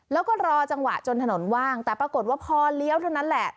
แล้วก็รอจังหวะจนถนนว่างแต่ปรากฏว่าพอเลี้ยวเท่านั้นแหละ